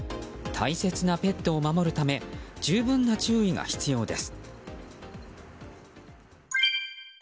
大切なペットを守るため十分な注意が必要です。